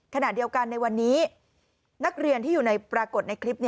ขณะเดียวกันในวันนี้นักเรียนที่อยู่ในปรากฏในคลิป